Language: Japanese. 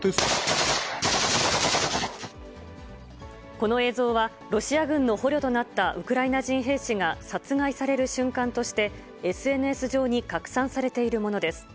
この映像は、ロシア軍の捕虜となったウクライナ人兵士が殺害される瞬間として、ＳＮＳ上に拡散されているものです。